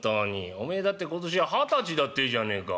おめえだって今年二十歳だってえじゃねえか」。